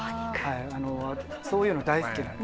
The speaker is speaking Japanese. そういうの大好きなので。